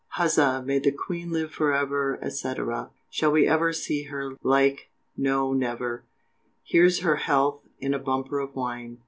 Huzza, may the Queen live for ever, &c., Shall we ever see her like, no never; Here's her health in a bumper of wine.